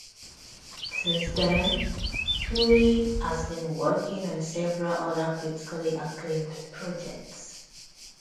Since then Currie has been working on several other critically acclaimed projects.